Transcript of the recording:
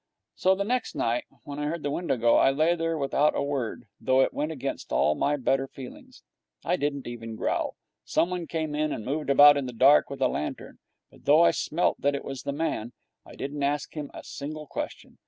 So next night, when I heard the window go, I lay there without a word, though it went against all my better feelings. I didn't even growl. Someone came in and moved about in the dark, with a lantern, but, though I smelt that it was the man, I didn't ask him a single question.